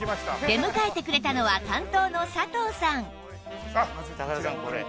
出迎えてくれたのは担当の佐藤さん